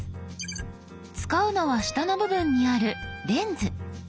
使うのは下の部分にある「レンズ」。